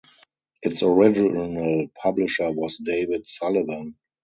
Its original publisher was David Sullivan.